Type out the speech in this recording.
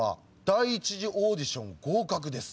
第１次オーディション合格です」。